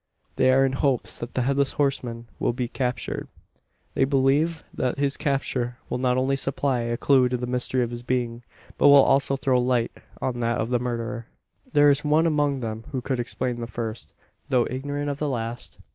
They are in hopes that the Headless Horseman will be captured. They believe that his capture will not only supply a clue to the mystery of his being, but will also throw light on that of the murder. There is one among them who could explain the first though ignorant of the last.